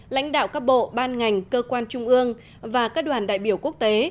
lãnh đạo các bộ ban ngành cơ quan trung ương và các đoàn đại biểu quốc tế